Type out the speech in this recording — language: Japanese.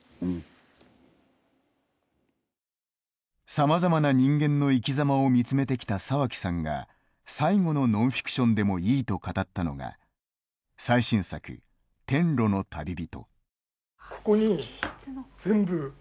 さまざまな人間の生きざまを見つめてきた沢木さんが最後のノンフィクションでもいいと語ったのが最新作「天路の旅人」。